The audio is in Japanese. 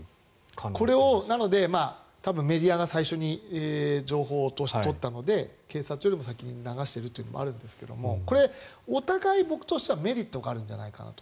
なので、これをメディアが最初に情報を取ったので警察よりも先に流しているのがあるんですけどこれ、お互い、僕としてはメリットがあるんじゃないかなと。